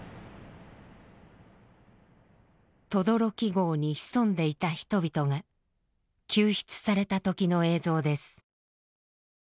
轟壕に潜んでいた人々が救出されたときの映像です。